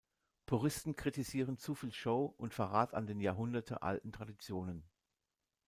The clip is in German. Puristen kritisieren zu viel Show und Verrat an den Jahrhunderte alten Traditionen.